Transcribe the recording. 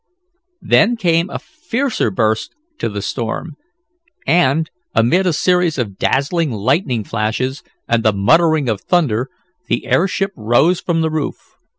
There came a fiercer burst to the storm, and, amid a series of dazzling lightning flashes and the muttering of thunder, the airship rose from the roof.